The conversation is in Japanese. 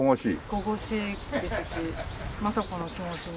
神々しいですし政子の気持ちに。